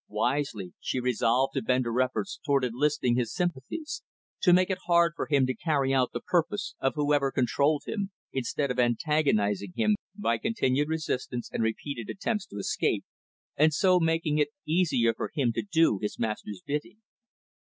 Wisely, she resolved to bend her efforts toward enlisting his sympathies, to make it hard for him to carry out the purpose of whoever controlled him, instead of antagonizing him by continued resistance and repeated attempts to escape, and so making it easier for him to do his master's bidding.